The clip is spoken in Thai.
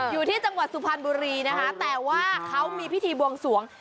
อยู่ที่จังหวัดสุพรรณบุรีนะคะแต่ว่าเขามีพิธีบวงสวง